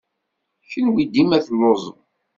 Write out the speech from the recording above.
Kenwi dima telluẓem!